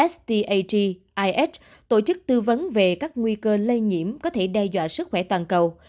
s t a t i h tổ chức tư vấn về các nguy cơ lây nhiễm có thể đe dọa sức khỏe toàn cầu